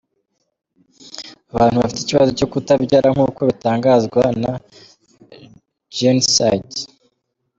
Abantu bafite ikibazo cyo kutabyara nk’uko bitangazwa na gentside.